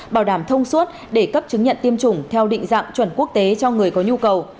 bảo đảm thông suốt để cấp chứng nhận tiêm chủng theo định dạng chuẩn quốc tế cho người có nhu cầu